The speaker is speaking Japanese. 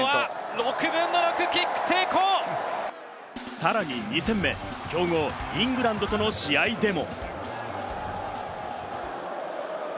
さらに２戦目、強豪・イングランドとの試合でも。